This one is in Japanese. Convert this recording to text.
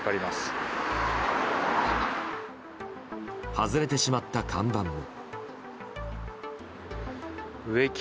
外れてしまった看板も。